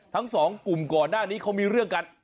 ทั้งสองกลุ่มก่อนหน้านี้เขามีเรื่องกัน